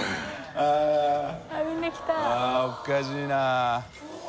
あっおかしいな。